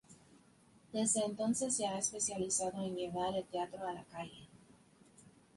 Desde entonces se ha especializado en llevar el teatro a la calle.